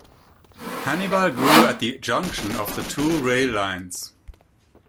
Hannibal grew at the junction of the two rail lines.